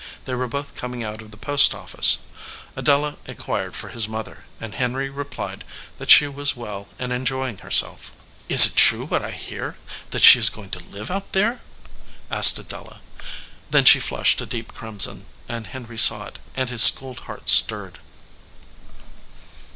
They were both coming out of the post office. Adela inquired for his mother, and Henry replied that she was well and enjoying herself. 254 THE SOLDIER MAN "Is it true what I hear, that she is going to live out there?" asked Adela. Then she flushed a deep crimson, and Henry saw it, and his schooled heart stirred.